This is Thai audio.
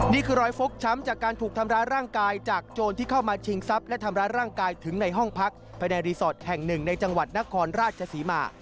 นี่คือรอยฟกช้ำจากการถูกทำร้ายร่างกายจากโจรที่เข้ามาชิงทรัพย์และทำร้ายร่างกายถึงในห้องพักภายในรีสอร์ทแห่งหนึ่งในจังหวัดนครราชศรีมา